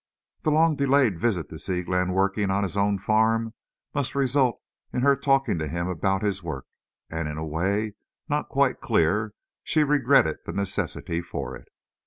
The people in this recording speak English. The long delayed visit to see Glenn working on his own farm must result in her talking to him about his work; and in a way not quite clear she regretted the necessity for it.